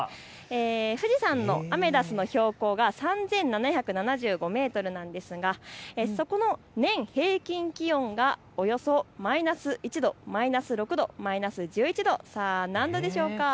富士山のアメダスの標高が３７７５メートルなんですがそこの年平均気温がおよそマイナス１度、マイナス６度、マイナス１１度、さあ何度でしょうか。